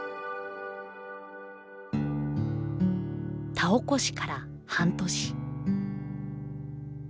田起こしから半年。